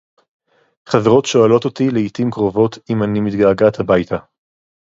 חברות שואלות אותי לעתים קרוובת אם אני מתגעגעת הביתה.